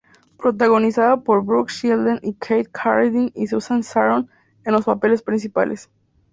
Protagonizada por Brooke Shields, Keith Carradine y Susan Sarandon en los papeles principales.